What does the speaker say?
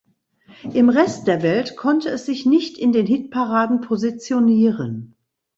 Im Rest der Welt konnte es sich nicht in den Hitparaden positionieren.